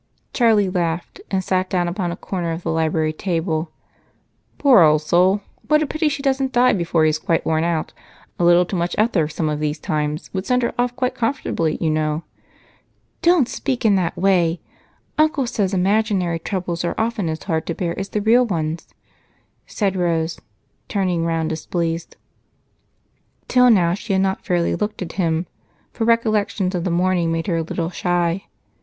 Charlie laughed and sat down upon a corner of the library table. "Poor old soul! What a pity she doesn't die before he is quite worn out. A little too much ether some of these times would send her off quite comfortably, you know." "Don't speak in that way. Uncle says imaginary troubles are often as hard to bear as real ones," said Rose, turning around displeased. Till now she had not fairly looked at him, for recollections of the morning made her a little shy.